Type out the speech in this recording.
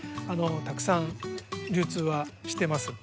たくさん流通はしてます。